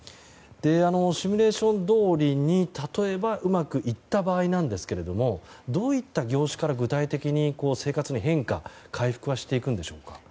シミュレーションどおりに例えば、うまくいった場合ですがどういった業種から具体的に生活の変化回復はしていくんでしょうか。